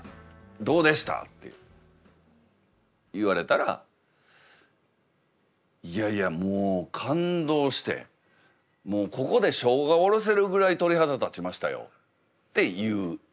「どうでした？」って言われたら「いやいやもう感動してもうここで生姜おろせるぐらい鳥肌立ちましたよ」って言うんですね。